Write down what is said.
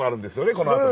このあとに。